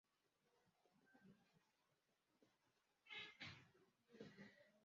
Reba inyubako ya MetLife kuva kumuhanda